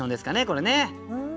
これね。